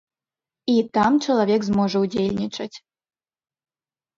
І там чалавек зможа ўдзельнічаць.